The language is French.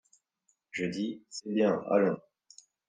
Je dis : C'est bien ! Allons !